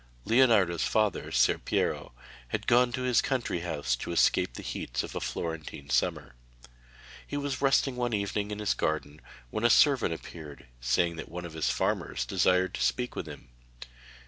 Leonardo's father, Ser Piero, had gone to his country house to escape the heats of a Florentine summer. He was resting one evening in his garden when a servant appeared, saying that one of his farmers desired to speak with him.